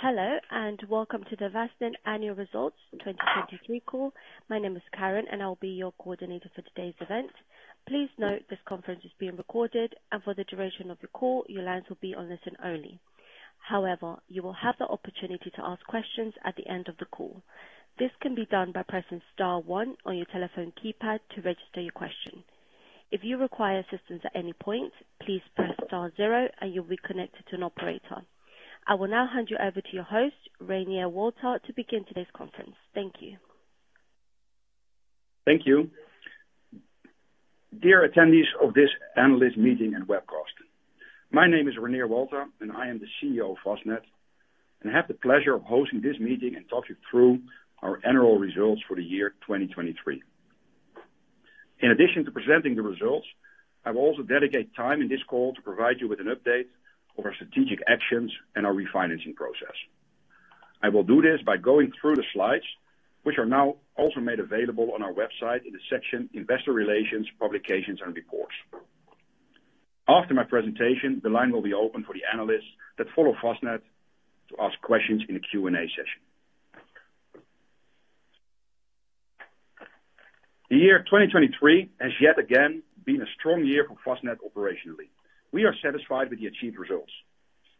Hello, welcome to the Vastned Annual Results 2023 call. My name is Karen, I will be your coordinator for today's event. Please note, this conference is being recorded, for the duration of the call, your lines will be on listen only. However, you will have the opportunity to ask questions at the end of the call. This can be done by pressing star 1 on your telephone keypad to register your question. If you require assistance at any point, please press star 0 and you'll be connected to an operator. I will now hand you over to your host, Reinier Walta, to begin today's conference. Thank you. Thank you. Dear attendees of this analyst meeting and webcast. My name is Reinier Walta, I am the CEO of Vastned, I have the pleasure of hosting this meeting and talk you through our annual results for the year 2023. In addition to presenting the results, I will also dedicate time in this call to provide you with an update of our strategic actions and our refinancing process. I will do this by going through the slides, which are now also made available on our website in the section Investor Relations, Publications and Records. After my presentation, the line will be open for the analysts that follow Vastned to ask questions in the Q&A session. The year 2023 has yet again been a strong year for Vastned operationally. We are satisfied with the achieved results.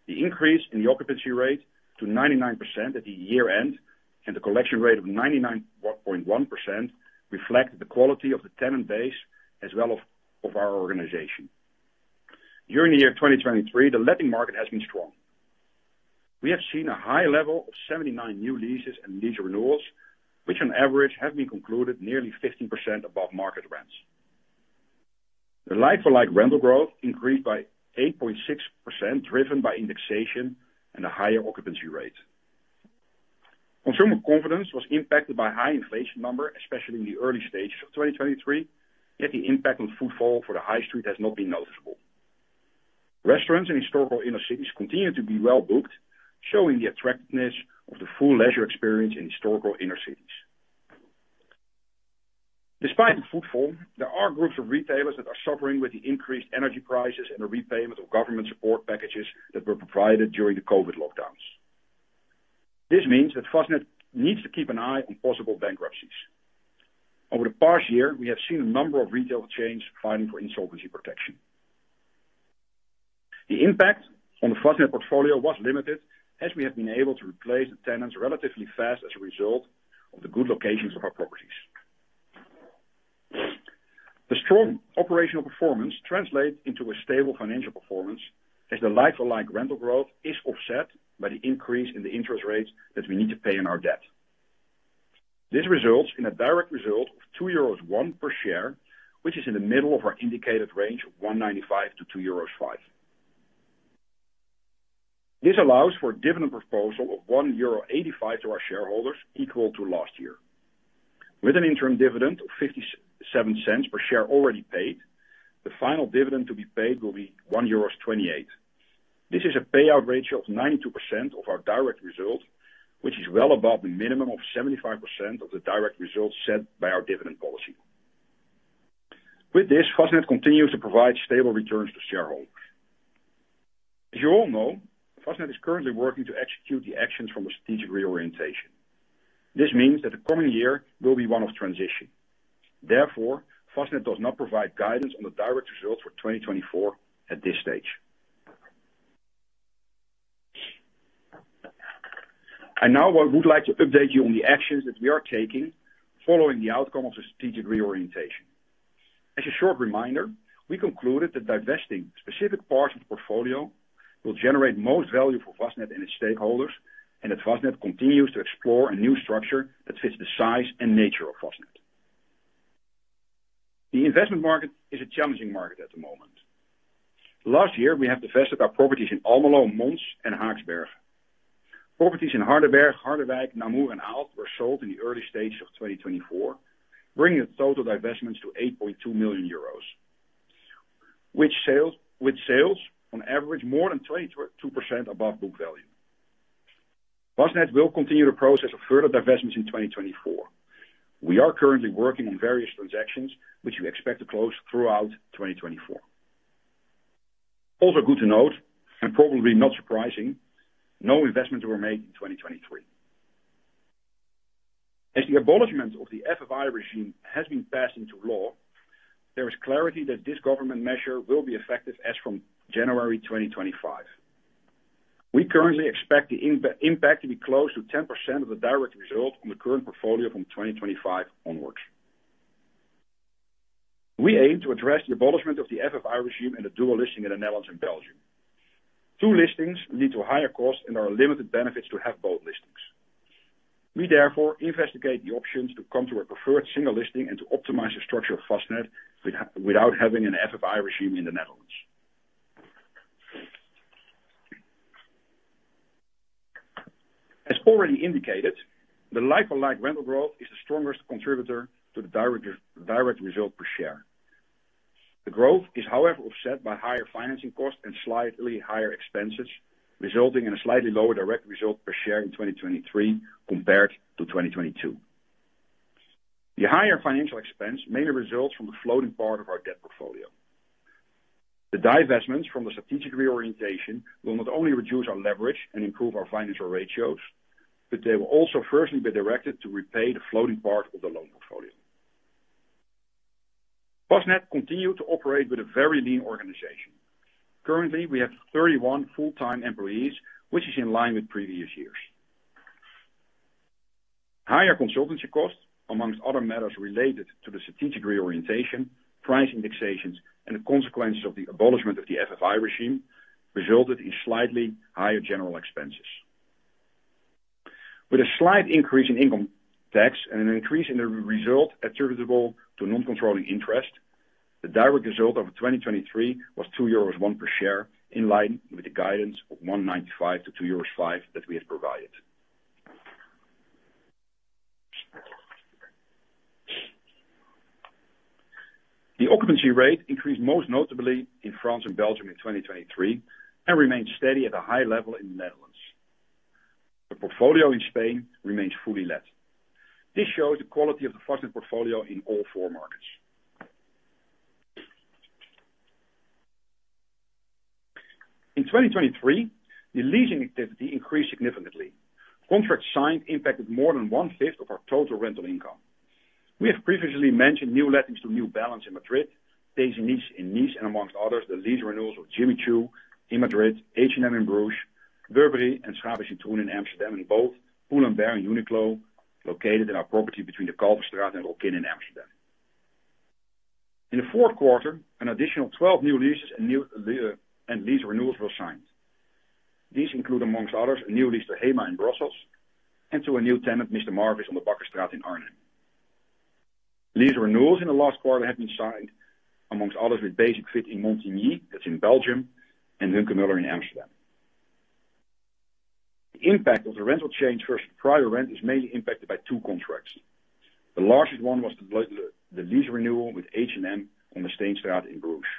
The increase in the occupancy rate to 99% at the year-end, the collection rate of 99.1%, reflect the quality of the tenant base as well as of our organization. During the year 2023, the letting market has been strong. We have seen a high level of 79 new leases and lease renewals, which on average have been concluded nearly 15% above market rents. The like-for-like rental growth increased by 8.6%, driven by indexation and a higher occupancy rate. Consumer confidence was impacted by high inflation number, especially in the early stages of 2023, yet the impact on footfall for the high street has not been noticeable. Restaurants in historical inner cities continue to be well-booked, showing the attractiveness of the full leisure experience in historical inner cities. Despite the footfall, there are groups of retailers that are suffering with the increased energy prices and the repayment of government support packages that were provided during the COVID lockdowns. This means that Vastned needs to keep an eye on possible bankruptcies. Over the past year, we have seen a number of retail chains filing for insolvency protection. The impact on the Vastned portfolio was limited as we have been able to replace the tenants relatively fast as a result of the good locations of our properties. The strong operational performance translates into a stable financial performance as the like-for-like rental growth is offset by the increase in the interest rates that we need to pay on our debt. This results in a direct result of 2.01 euros per share, which is in the middle of our indicated range of 1.95-2.05 euros. This allows for a dividend proposal of 1.85 euro to our shareholders, equal to last year. With an interim dividend of 0.57 per share already paid, the final dividend to be paid will be 1.28 euros. This is a payout ratio of 92% of our direct result, which is well above the minimum of 75% of the direct results set by our dividend policy. With this, Vastned continues to provide stable returns to shareholders. As you all know, Vastned is currently working to execute the actions from the strategic reorientation. This means that the coming year will be one of transition. Therefore, Vastned does not provide guidance on the direct results for 2024 at this stage. Now, I would like to update you on the actions that we are taking following the outcome of the strategic reorientation. As a short reminder, we concluded that divesting specific parts of the portfolio will generate most value for Vastned and its stakeholders, and that Vastned continues to explore a new structure that fits the size and nature of Vastned. The investment market is a challenging market at the moment. Last year, we have divested our properties in Almelo, Mons, and Haaksbergen. Properties in Hardenberg, Harderwijk, Namur, and Aalst were sold in the early stages of 2024, bringing total divestments to 8.2 million euros, with sales on average more than 22% above book value. Vastned will continue the process of further divestments in 2024. We are currently working on various transactions, which we expect to close throughout 2024. Also good to note, and probably not surprising, no investments were made in 2023. As the abolishment of the FBI regime has been passed into law, there is clarity that this government measure will be effective as from January 2025. We currently expect the impact to be close to 10% of the direct result on the current portfolio from 2025 onwards. We aim to address the abolishment of the FBI regime and the dual listing in the Netherlands and Belgium. Two listings lead to a higher cost and there are limited benefits to have both listings. We therefore investigate the options to come to a preferred single listing and to optimize the structure of Vastned without having an FBI regime in the Netherlands. As already indicated, the like-for-like rental growth is the strongest contributor to the direct result per share. The growth is, however, offset by higher financing costs and slightly higher expenses, resulting in a slightly lower direct result per share in 2023 compared to 2022. The higher financial expense mainly results from the floating part of our debt portfolio. The divestments from the strategic reorientation will not only reduce our leverage and improve our financial ratios, but they will also firstly be directed to repay the floating part of the loan portfolio. Vastned continues to operate with a very lean organization. Currently, we have 31 full-time employees, which is in line with previous years. Higher consultancy costs amongst other matters related to the strategic reorientation, price indexations, and the consequences of the abolishment of the FBI regime resulted in slightly higher general expenses. With a slight increase in income tax and an increase in the result attributable to non-controlling interest, the direct result of 2023 was 2.01 euros per share, in line with the guidance of 1.95 to 2.05 euros that we had provided. The occupancy rate increased most notably in France and Belgium in 2023 and remained steady at a high level in the Netherlands. The portfolio in Spain remains fully let. This shows the quality of the Vastned portfolio in all four markets. In 2023, the leasing activity increased significantly. Contract signed impacted more than one-fifth of our total rental income. We have previously mentioned new lettings to New Balance in Madrid, Desigual in Nice, and amongst others, the lease renewals of Jimmy Choo in Madrid, H&M in Bruges, Burberry and in Amsterdam and both Pull&Bear and Uniqlo located in our property between the Kalverstraat and Rokin in Amsterdam. In the fourth quarter, an additional 12 new leases and lease renewals were signed. These include, amongst others, a new lease to Hema in Brussels and to a new tenant, MR MARVIS, on the Bakkerstraat in Arnhem. Lease renewals in the last quarter have been signed amongst others with Basic-Fit in Montignies, that's in Belgium, and Hunkemöller in Amsterdam. The impact of the rental change versus prior rent is mainly impacted by two contracts. The largest one was the lease renewal with H&M on the Steenstraat in Bruges.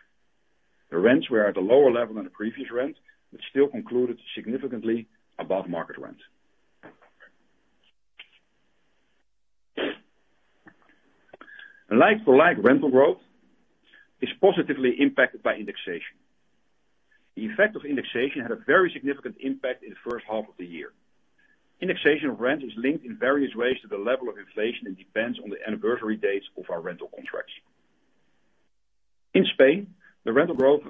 The rents were at a lower level than the previous rent but still concluded significantly above market rent. Like-for-like rental growth is positively impacted by indexation. The effect of indexation had a very significant impact in the first half of the year. Indexation of rent is linked in various ways to the level of inflation and depends on the anniversary dates of our rental contracts. In Spain, the rental growth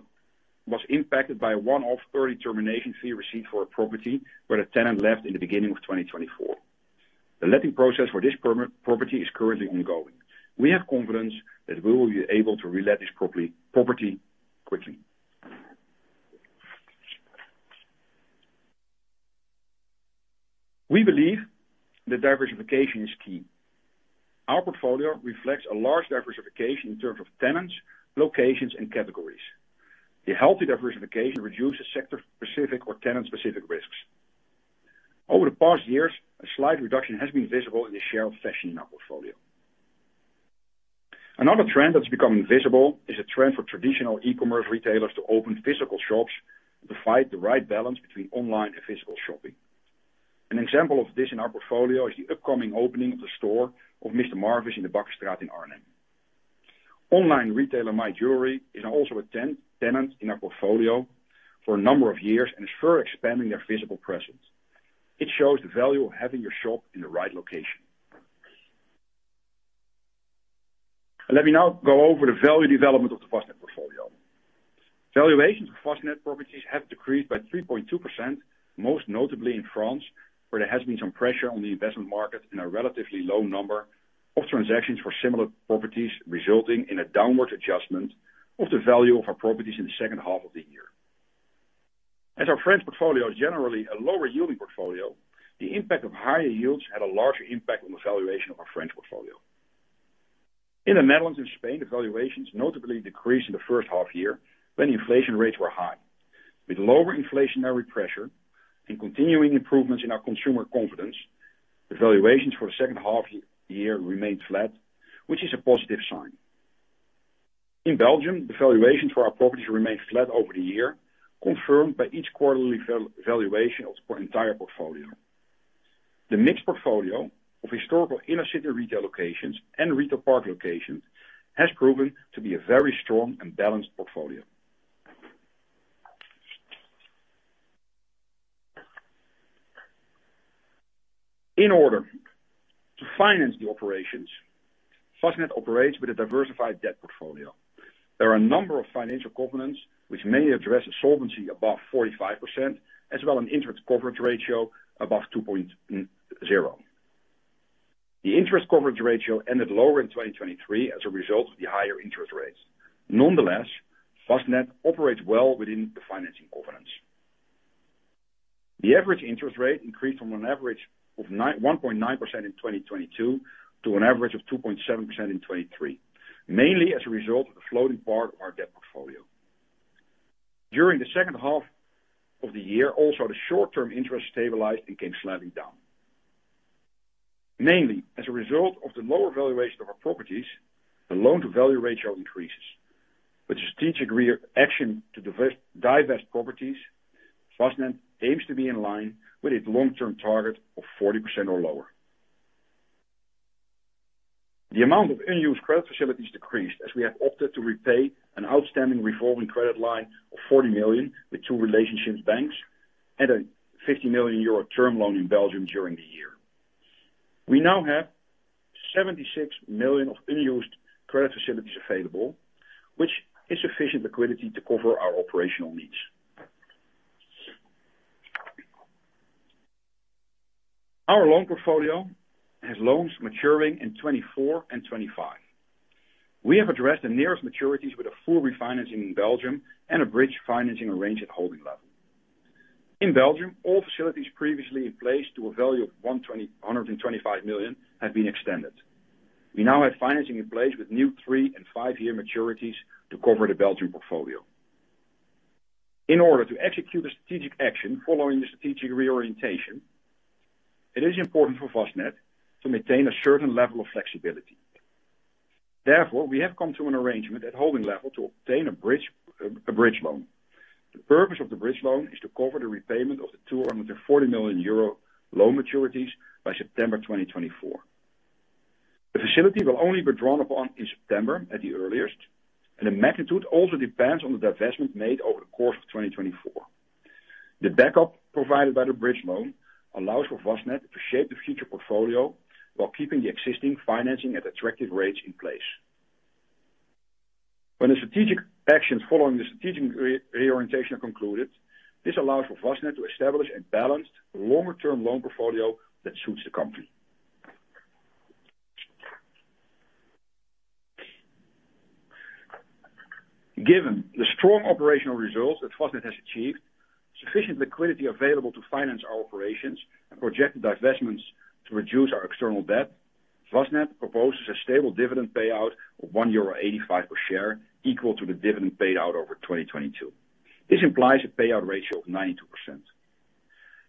was impacted by a one-off early termination fee received for a property where the tenant left in the beginning of 2024. The letting process for this property is currently ongoing. We have confidence that we will be able to relet this property quickly. We believe that diversification is key. Our portfolio reflects a large diversification in terms of tenants, locations, and categories. The healthy diversification reduces sector-specific or tenant-specific risks. Over the past years, a slight reduction has been visible in the share of fashion in our portfolio. Another trend that's becoming visible is a trend for traditional e-commerce retailers to open physical shops to find the right balance between online and physical shopping. An example of this in our portfolio is the upcoming opening of the store of MR MARVIS in the Bakkerstraat in Arnhem. Online retailer My Jewellery is also a tenant in our portfolio for a number of years and is further expanding their physical presence. It shows the value of having your shop in the right location. Let me now go over the value development of the Vastned portfolio. Valuations of Vastned properties have decreased by 3.2%, most notably in France, where there has been some pressure on the investment market in a relatively low number of transactions for similar properties, resulting in a downward adjustment of the value of our properties in the second half of the year. As our French portfolio is generally a lower-yielding portfolio, the impact of higher yields had a larger impact on the valuation of our French portfolio. In the Netherlands and Spain, the valuations notably decreased in the first half year when inflation rates were high. With lower inflationary pressure and continuing improvements in our consumer confidence, the valuations for the second half year remained flat, which is a positive sign. In Belgium, the valuations for our properties remained flat over the year, confirmed by each quarterly valuation of our entire portfolio. The mixed portfolio of historical inner-city retail locations and retail park locations has proven to be a very strong and balanced portfolio. In order to finance the operations, Vastned operates with a diversified debt portfolio. There are a number of financial covenants which mainly address a solvency above 45%, as well an interest coverage ratio above 2.0. The interest coverage ratio ended lower in 2023 as a result of the higher interest rates. Nonetheless, Vastned operates well within the financing covenants. The average interest rate increased from an average of 1.9% in 2022 to an average of 2.7% in 2023, mainly as a result of the floating part of our debt portfolio. During the second half of the year, also, the short-term interest stabilized and came slightly down. Mainly as a result of the lower valuation of our properties, the loan-to-value ratio increases. With strategic reaction to divest properties, Vastned aims to be in line with its long-term target of 40% or lower. The amount of unused credit facilities decreased as we have opted to repay an outstanding revolving credit line of 40 million with two relationships banks and a 50 million euro term loan in Belgium during the year. We now have 76 million of unused credit facilities available, which is sufficient liquidity to cover our operational needs. Our loan portfolio has loans maturing in 2024 and 2025. We have addressed the nearest maturities with a full refinancing in Belgium and a bridge financing arranged at holding level. In Belgium, all facilities previously in place to a value of 125 million have been extended. We now have financing in place with new three and five-year maturities to cover the Belgium portfolio. In order to execute the strategic action following the strategic reorientation, it is important for Vastned to maintain a certain level of flexibility. Therefore, we have come to an arrangement at holding level to obtain a bridge loan. The purpose of the bridge loan is to cover the repayment of the 240 million euro loan maturities by September 2024. The facility will only be drawn upon in September at the earliest, and the magnitude also depends on the divestment made over the course of 2024. The backup provided by the bridge loan allows for Vastned to shape the future portfolio while keeping the existing financing at attractive rates in place. When the strategic actions following the strategic reorientation are concluded, this allows for Vastned to establish a balanced longer-term loan portfolio that suits the company. Given the strong operational results that Vastned has achieved, sufficient liquidity available to finance our operations, and projected divestments to reduce our external debt, Vastned proposes a stable dividend payout of 1.85 euro per share, equal to the dividend paid out over 2022. This implies a payout ratio of 92%.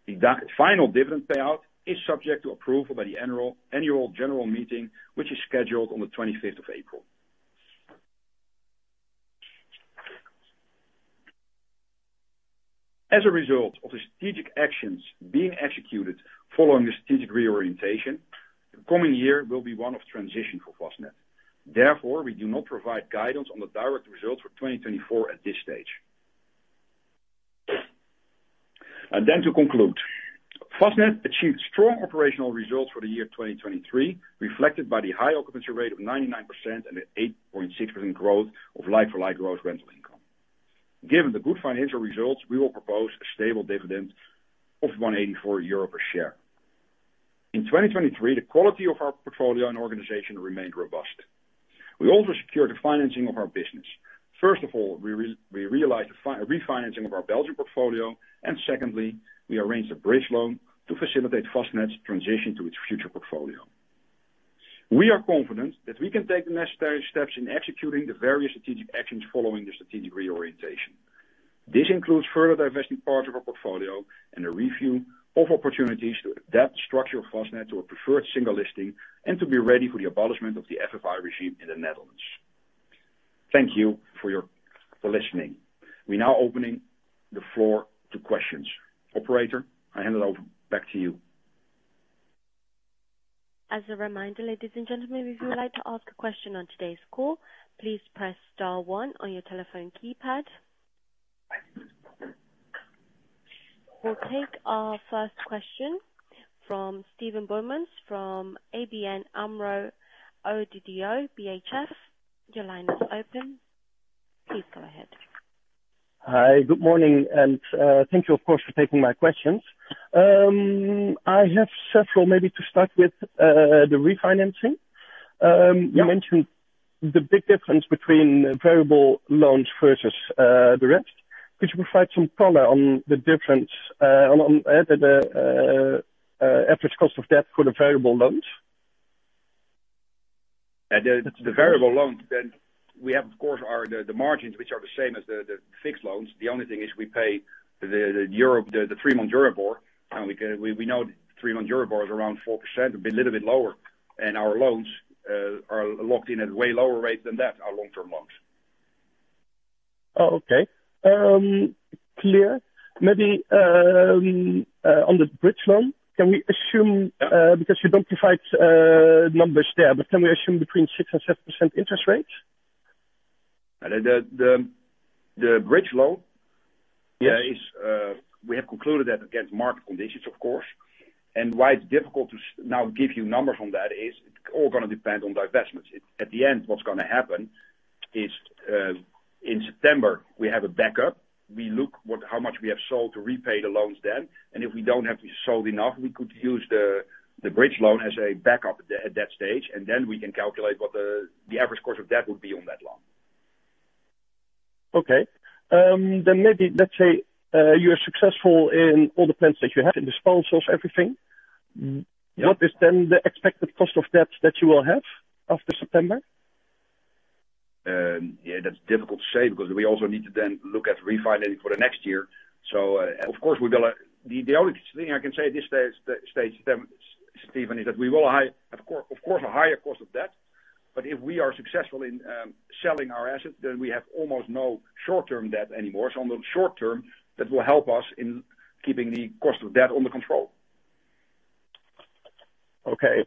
The final dividend payout is subject to approval by the Annual General Meeting, which is scheduled on the 25th of April. As a result of the strategic actions being executed following the strategic reorientation, the coming year will be one of transition for Vastned. Therefore, we do not provide guidance on the direct results for 2024 at this stage. To conclude, Vastned achieved strong operational results for the year 2023, reflected by the high occupancy rate of 99% and the 8.6% growth of like-for-like growth rental income. Given the good financial results, we will propose a stable dividend of 1.84 euro per share. In 2023, the quality of our portfolio and organization remained robust. We also secured the financing of our business. First of all, we realized the refinancing of our Belgium portfolio, and secondly, we arranged a bridge loan to facilitate Vastned's transition to its future portfolio. We are confident that we can take the necessary steps in executing the various strategic actions following the strategic reorientation. This includes further divesting part of our portfolio and a review of opportunities to adapt the structure of Vastned to a preferred single listing and to be ready for the abolishment of the FBI regime in the Netherlands. Thank you for listening. We're now opening the floor to questions. Operator, I hand it over back to you. As a reminder, ladies and gentlemen, if you would like to ask a question on today's call, please press star one on your telephone keypad. We'll take our first question from Steven Boumans from ABN AMRO ODDO BHF. Your line is open. Please go ahead. Hi. Good morning. Thank you, of course, for taking my questions. I have several maybe to start with, the refinancing. Yeah. You mentioned the big difference between variable loans versus the rest. Could you provide some color on the difference on the average cost of debt for the variable loans? The variable loans we have, of course, are the margins, which are the same as the fixed loans. The only thing is we pay the three-month Euribor, and we know three-month Euribor is around 4%, a little bit lower, and our loans are locked in at way lower rates than that, our long-term loans. Okay. Clear. Maybe on the bridge loan, because you don't provide numbers there, but can we assume between 6% and 7% interest rates? The bridge loan Yes we have concluded that against market conditions, of course. Why it's difficult to now give you numbers on that is it's all going to depend on divestments. At the end, what's going to happen is, in September, we have a backup. We look how much we have sold to repay the loans then, if we don't have sold enough, we could use the bridge loan as a backup at that stage, then we can calculate what the average cost of debt would be on that loan. Okay. Maybe let's say you're successful in all the plans that you have in disposals, everything. Yeah. What is then the expected cost of debt that you will have after September? Yeah, that's difficult to say because we also need to then look at refinancing for the next year. The only thing I can say at this stage, Steven, is that we will, of course, have a higher cost of debt. If we are successful in selling our assets, then we have almost no short-term debt anymore. On the short term, that will help us in keeping the cost of debt under control. Okay.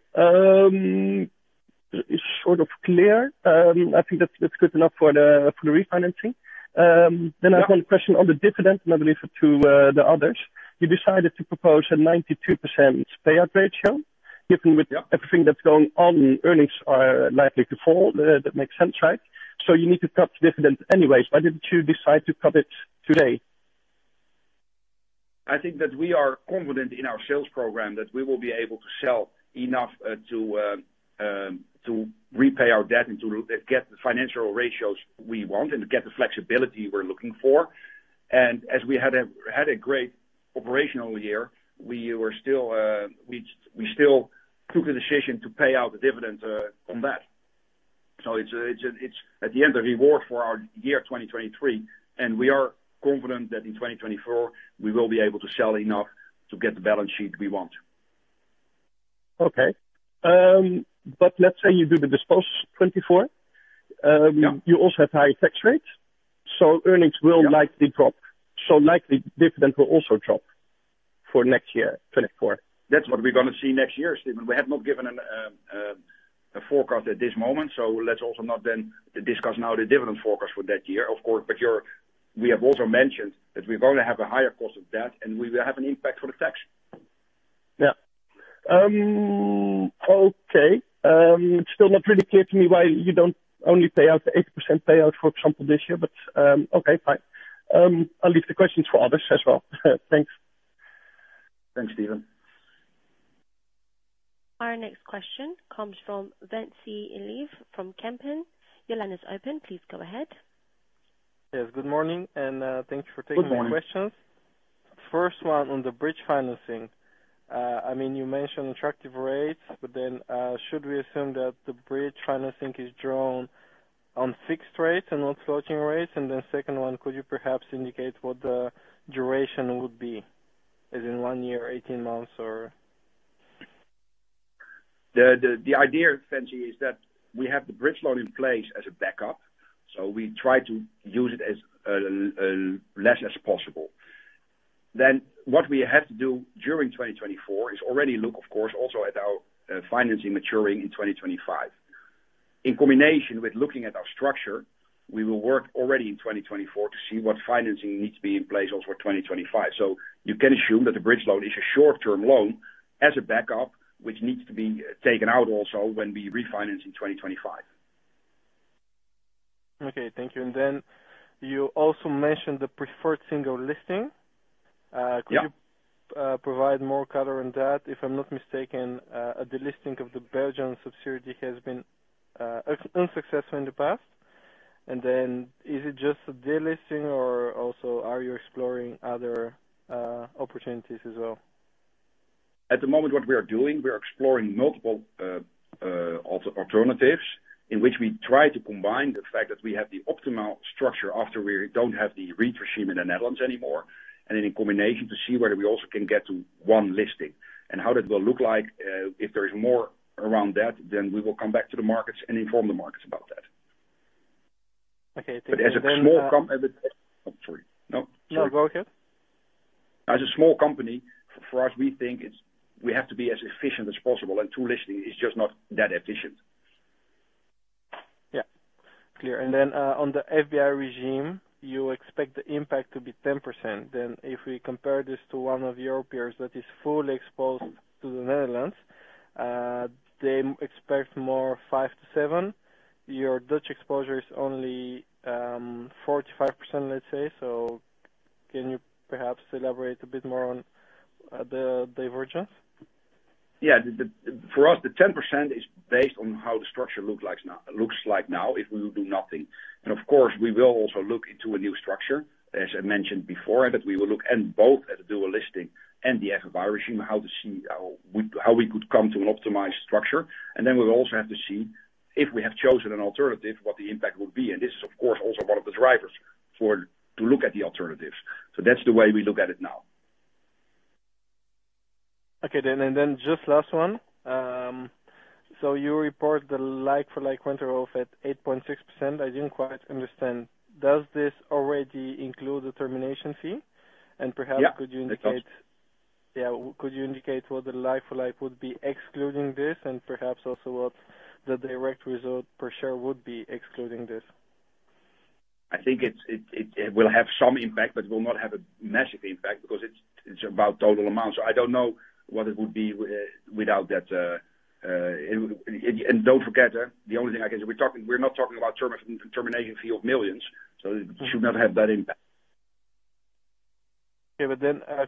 It's sort of clear. I think that's good enough for the refinancing. Yeah. I have one question on the dividend, and I believe to the others. You decided to propose a 92% payout ratio. Yeah. Given with everything that's going on, earnings are likely to fall. That makes sense, right? You need to cut the dividend anyway. Why didn't you decide to cut it today? I think that we are confident in our sales program that we will be able to sell enough to repay our debt and to get the financial ratios we want and to get the flexibility we're looking for. As we had a great operational year, we still took a decision to pay out the dividend on that. It's at the end, a reward for our year 2023, and we are confident that in 2024, we will be able to sell enough to get the balance sheet we want. Okay. Let's say you do the dispose 2024. Yeah. You also have high tax rates, earnings will likely drop. Likely dividend will also drop for next year, 2024. That's what we're going to see next year, Steven. We have not given a forecast at this moment, so let's also not then discuss now the dividend forecast for that year, of course. We have also mentioned that we're going to have a higher cost of debt, and we will have an impact for the tax. Yeah. Okay. It's still not really clear to me why you don't only pay out the 80% payout, for example, this year, but okay, fine. I'll leave the questions for others as well. Thanks. Thanks, Steven. Our next question comes from Ventsi Iliev from Kempen. Your line is open. Please go ahead. Yes, good morning, and thanks for taking the questions. Good morning. First one on the bridge financing. You mentioned attractive rates, should we assume that the bridge financing is drawn on fixed rates and not floating rates? The second one, could you perhaps indicate what the duration would be? Is it one year, 18 months, or? The idea, Ventsi, is that we have the bridge loan in place as a backup, so we try to use it as less as possible. What we have to do during 2024 is already look, of course, also at our financing maturing in 2025. In combination with looking at our structure, we will work already in 2024 to see what financing needs to be in place also for 2025. You can assume that the bridge loan is a short-term loan as a backup, which needs to be taken out also when we refinance in 2025. Okay, thank you. You also mentioned the preferred single listing. Yeah. Could you provide more color on that? If I'm not mistaken, the listing of the Belgian subsidiary has been unsuccessful in the past. Is it just the delisting or also are you exploring other opportunities as well? At the moment what we are doing, we are exploring multiple alternatives in which we try to combine the fact that we have the optimal structure after we don't have the REIT regime in the Netherlands anymore, and in combination to see whether we also can get to one listing and how that will look like. If there's more around that, we will come back to the markets and inform the markets about that. Okay. Thank you. As a small Oh, sorry. No. No, go ahead. As a small company, for us, we think we have to be as efficient as possible, and two listings is just not that efficient. Yeah. Clear. Then on the FBI regime, you expect the impact to be 10%. If we compare this to one of your peers that is fully exposed to the Netherlands, they expect 5%-7%. Your Dutch exposure is only 45%, let's say. Can you perhaps elaborate a bit more on the divergence? Yeah. For us, the 10% is based on how the structure looks like now if we will do nothing. Of course, we will also look into a new structure, as I mentioned before, that we will look at both at the dual listing and the FBI regime, how we could come to an optimized structure. Then we'll also have to see, if we have chosen an alternative, what the impact will be. This is of course, also one of the drivers to look at the alternatives. That's the way we look at it now. Okay then. Then just last one. You report the like-for-like rental growth at 8.6%. I didn't quite understand, does this already include the termination fee? Yeah. Could you indicate what the like-for-like would be excluding this, and perhaps also what the direct result per share would be excluding this? I think it will have some impact, but it will not have a massive impact because it's about total amount. I don't know what it would be without that. Don't forget, the only thing I can say, we're not talking about termination fee of millions, so it should not have that impact. Okay.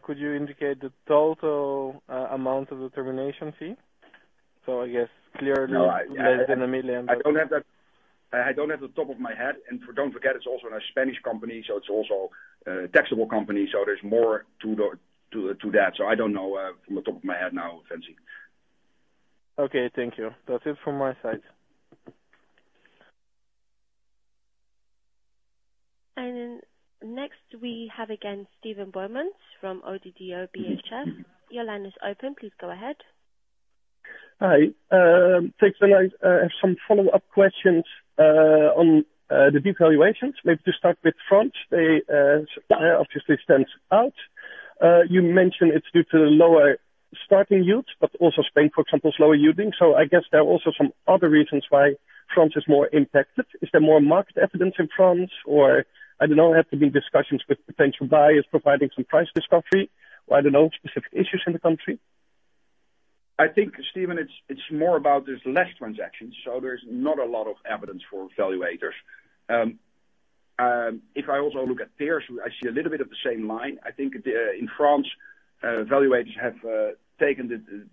Could you indicate the total amount of the termination fee? I guess clearly less than 1 million. I don't have that off the top of my head. Don't forget, it's also in a Spanish company, so it's also a taxable company. There's more to that. I don't know from the top of my head now, Ventsi. Okay, thank you. That's it from my side. Next, we have again Steven Boumans from ODDO BHF. Your line is open. Please go ahead. Hi. Thanks, Ben. I have some follow-up questions on the devaluations. Maybe to start with France. They obviously stand out. You mentioned it's due to the lower starting yields, but also Spain, for example, is lower yielding. I guess there are also some other reasons why France is more impacted. Is there more market evidence in France, or, I don't know, there have to be discussions with potential buyers providing some price discovery or, I don't know, specific issues in the country? I think, Steven, it's more about there's less transactions, so there's not a lot of evidence for valuators. If I also look at peers, I see a little bit of the same line. I think in France, valuators have taken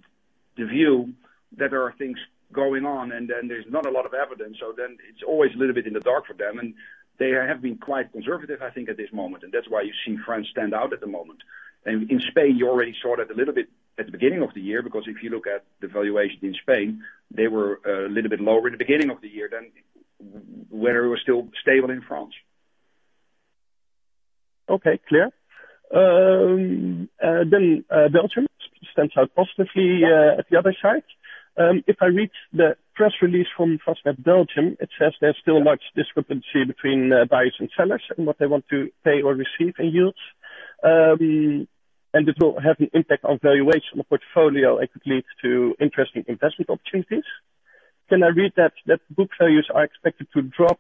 the view that there are things going on, and then there's not a lot of evidence. It's always a little bit in the dark for them, and they have been quite conservative, I think, at this moment. That's why you're seeing France stand out at the moment. In Spain, you already saw that a little bit at the beginning of the year, because if you look at the valuation in Spain, they were a little bit lower at the beginning of the year than when it was still stable in France. Okay, clear. Belgium stands out positively at the other side. If I read the press release from Vastned Belgium, it says there's still much discrepancy between buyers and sellers and what they want to pay or receive in yields, and this will have an impact on valuation of portfolio and could lead to interesting investment opportunities. Can I read that book values are expected to drop,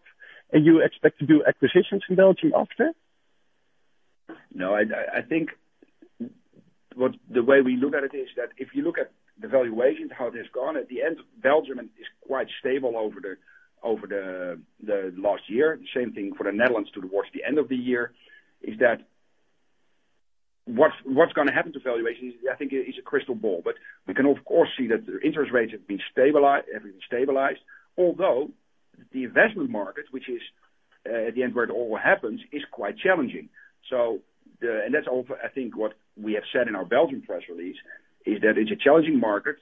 and you expect to do acquisitions in Belgium after? No. I think the way we look at it is that if you look at the valuations, how they've gone, at the end, Belgium is quite stable over the last year. The same thing for the Netherlands towards the end of the year. What's going to happen to valuations, I think, is a crystal ball. We can, of course, see that the interest rates have been stabilized. Although the investment market, which is, at the end, where it all happens, is quite challenging. That's also, I think, what we have said in our Belgium press release, is that it's a challenging market.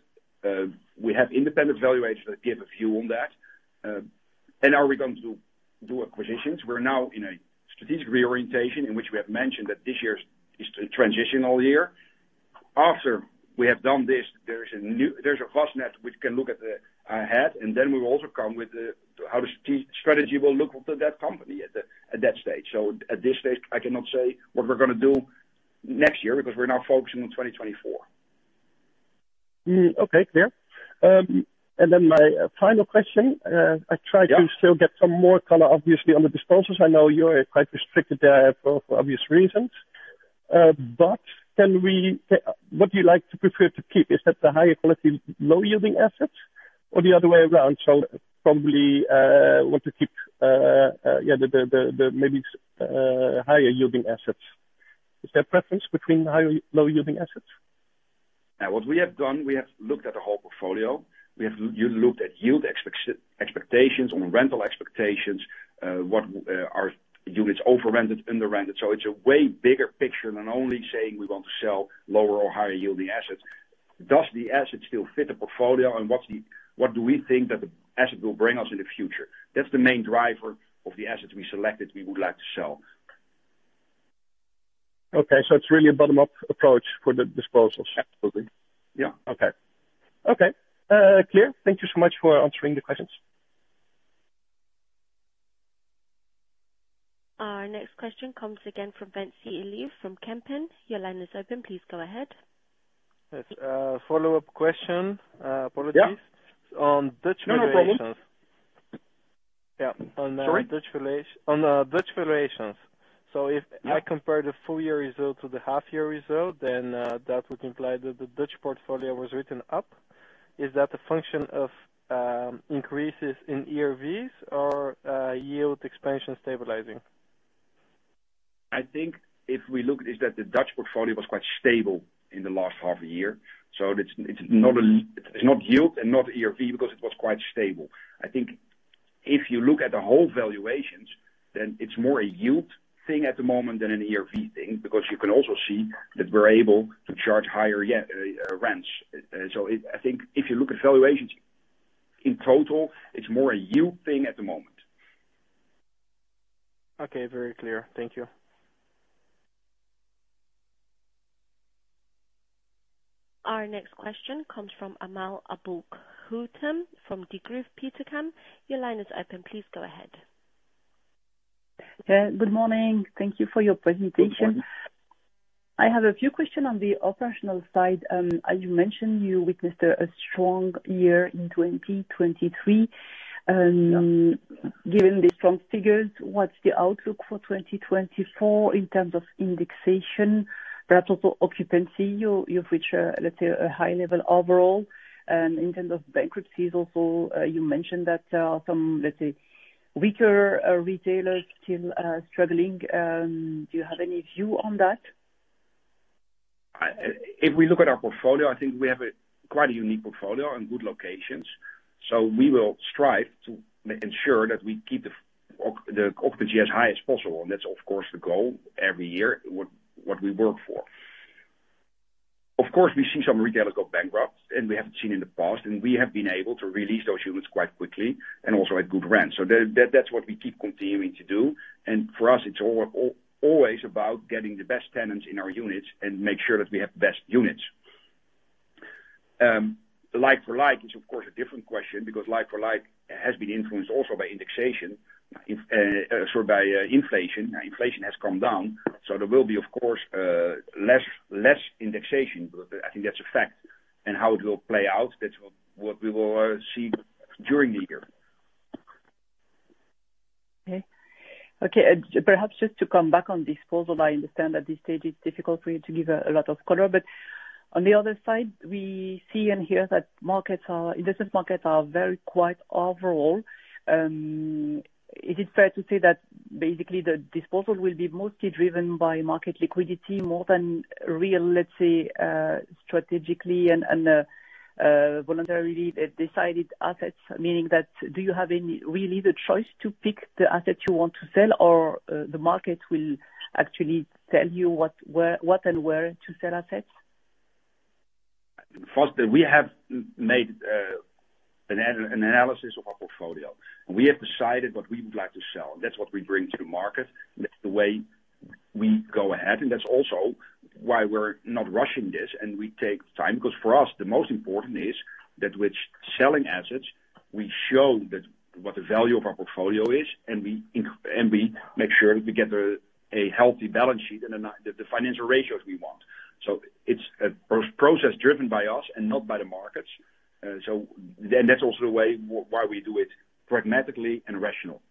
We have independent valuators that give a view on that. Are we going to do acquisitions? We're now in a strategic reorientation in which we have mentioned that this year is a transitional year. After we have done this, there's a Vastned which can look ahead, and then we will also come with how the strategy will look for that company at that stage. At this stage, I cannot say what we're going to do next year because we're now focusing on 2024. Okay. Clear. My final question. Yeah. I try to still get some more color, obviously, on the disposals. I know you're quite restricted there for obvious reasons. What do you like to prefer to keep? Is that the higher quality, low-yielding assets or the other way around? Probably want to keep maybe higher-yielding assets. Is there a preference between high or low-yielding assets? What we have done, we have looked at the whole portfolio. We have looked at yield expectations on rental expectations. What are units over-rented, under-rented? It's a way bigger picture than only saying we want to sell lower or higher-yielding assets. Does the asset still fit the portfolio, and what do we think that the asset will bring us in the future? That's the main driver of the assets we selected we would like to sell. Okay. It's really a bottom-up approach for the disposals. Absolutely. Yeah. Okay. Clear. Thank you so much for answering the questions. Our next question comes again from Ventsi Iliev from Kempen. Your line is open. Please go ahead. Yes. A follow-up question. Apologies. Yeah. On Dutch valuations. No, no problem. Sorry? On Dutch valuations. If I compare the full year result to the half year result, that would imply that the Dutch portfolio was written up. Is that a function of increases in ERVs or yield expansion stabilizing? I think if we look is that the Dutch portfolio was quite stable in the last half year. It's not yield and not ERV because it was quite stable. I think if you look at the whole valuations, it's more a yield thing at the moment than an ERV thing, because you can also see that we're able to charge higher rents. I think if you look at valuations in total, it's more a yield thing at the moment. Okay. Very clear. Thank you. Our next question comes from Amal Aboulkhouatem from Degroof Petercam. Your line is open. Please go ahead. Good morning. Thank you for your presentation. Of course. I have a few questions on the operational side. As you mentioned, you witnessed a strong year in 2023. Given the strong figures, what's the outlook for 2024 in terms of indexation, but also occupancy? You've reached a high level overall. In terms of bankruptcies also, you mentioned that there are some, let's say, weaker retailers still struggling. Do you have any view on that? If we look at our portfolio, I think we have quite a unique portfolio and good locations. We will strive to ensure that we keep the occupancy as high as possible, and that's, of course, the goal every year, what we work for. Of course, we see some retailers go bankrupt, and we haven't seen in the past, and we have been able to release those units quite quickly and also at good rent. That's what we keep continuing to do. For us, it's always about getting the best tenants in our units and make sure that we have the best units. like-for-like is, of course, a different question because like-for-like has been influenced also by indexation, by inflation. Inflation has come down. There will be, of course, less indexation. I think that's a fact. How it will play out, that's what we will see during the year. Perhaps just to come back on disposal, I understand at this stage it's difficult for you to give a lot of color, but on the other side, we see and hear that investor markets are very quiet overall. Is it fair to say that the disposal will be mostly driven by market liquidity more than real, let's say, strategically and voluntarily decided assets? Meaning that, do you have any really the choice to pick the asset you want to sell, or the market will actually tell you what and where to sell assets? We have made an analysis of our portfolio, and we have decided what we would like to sell, and that's what we bring to the market. That's the way we go ahead, and that's also why we're not rushing this and we take time because for us, the most important is that with selling assets, we show what the value of our portfolio is, and we make sure that we get a healthy balance sheet and the financial ratios we want. It's a process driven by us and not by the markets. That's also why we do it pragmatically and rational.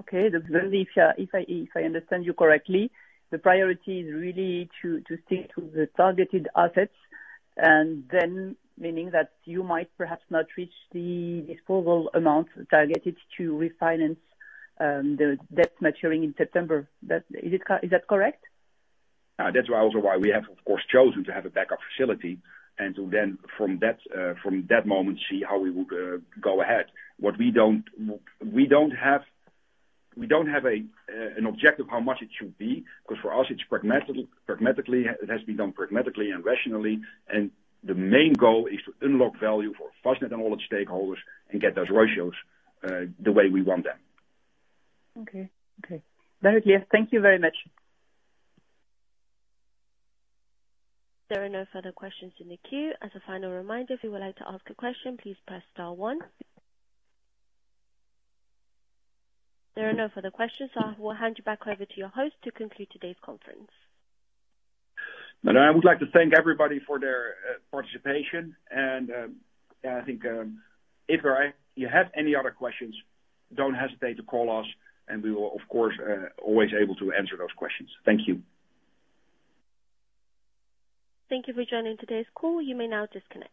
Okay. If I understand you correctly, the priority is really to stick to the targeted assets and then meaning that you might perhaps not reach the disposal amount targeted to refinance the debt maturing in September. Is that correct? That's also why we have, of course, chosen to have a backup facility and to then from that moment, see how we would go ahead. What we don't have, we don't have an objective how much it should be, because for us it has to be done pragmatically and rationally, and the main goal is to unlock value for Vastned and all its stakeholders and get those ratios the way we want them. Okay. Very clear. Thank you very much. There are no further questions in the queue. As a final reminder, if you would like to ask a question, please press star one. There are no further questions, I will hand you back over to your host to conclude today's conference. I would like to thank everybody for their participation. I think if you have any other questions, don't hesitate to call us. We will, of course, always able to answer those questions. Thank you. Thank you for joining today's call. You may now disconnect.